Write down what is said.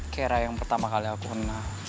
kayak rai yang pertama kali aku kenal